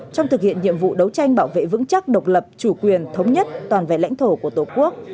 trong thực hiện nhiệm vụ đấu tranh bảo vệ vững chắc độc lập chủ quyền thống nhất toàn vẹn lãnh thổ của tổ quốc